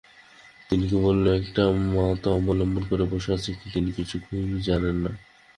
যিনি কেবল একটা মত অবলম্বন করে বসে আছেন, তিনি কিছুই জানেন না।